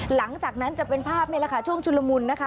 หลังจากนั้นจะเป็นภาพช่วงชุดละมุนนะคะ